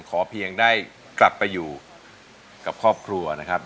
ขอเพียงได้กลับไปอยู่กับครอบครัวนะครับ